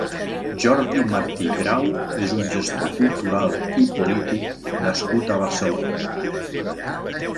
Jordi Martí Grau és un gestor cultural i polític nascut a Barcelona.